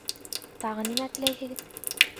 Тағы нимә теләйһегеҙ?